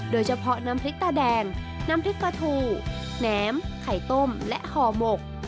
โดยเฉพาะน้ำพริกตาแดงน้ำพริกปลาทูแหนมไข่ต้มและห่อหมก